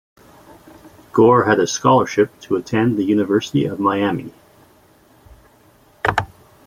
Gore had a scholarship to attend the University of Miami.